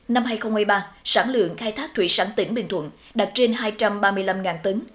năm hai nghìn hai mươi ba sản lượng khai thác thủy sản tỉnh bình thuận đạt trên hai trăm ba mươi năm tấn